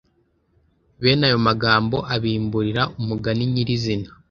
Bene aya magambo abimburira umugani nyiri izina